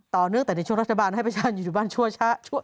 ต่อเนื่องแต่ในช่วงรัฐบาลให้ประชาชนอยู่บ้านชั่ว